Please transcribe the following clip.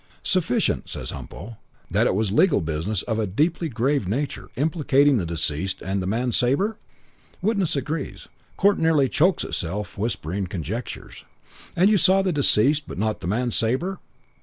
'Sufficient,' says Humpo, 'that it was legal business of a deeply grave nature implicating the deceased and the man Sabre?' Witness agrees. Court nearly chokes itself whispering conjectures. 'And you saw the deceased but not the man Sabre?'